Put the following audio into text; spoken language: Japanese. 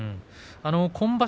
今場所